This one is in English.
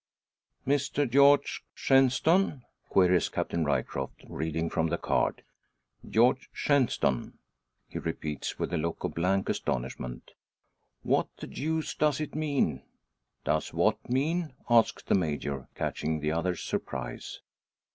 "Mr George Shenstone?" queries Captain Ryecroft, reading from the card. "George Shenstone!" he repeats with a look of blank astonishment "What the deuce does it mean?" "Does what mean?" asks the Major, catching the other's surprise.